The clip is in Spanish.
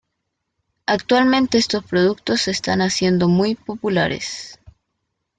Actualmente estos productos se están haciendo muy populares.